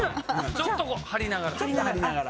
ちょっと張りながら。